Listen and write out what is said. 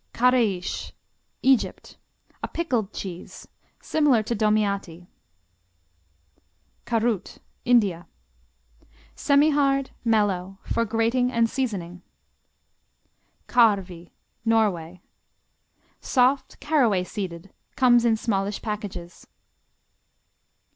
Kareish Egypt A pickled cheese, similar to Domiati. Karut India Semihard; mellow; for grating and seasoning. Karvi Norway Soft; caraway seeded; comes in smallish packages.